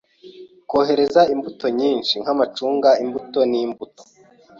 Kohereza imbuto nyinshi, nk'amacunga, imbuto n'imbuto.